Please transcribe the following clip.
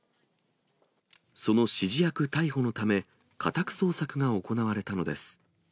その指示役逮捕のため、家宅捜索が行われたのです。